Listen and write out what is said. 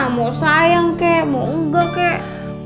mau sayang kek mau enggak kek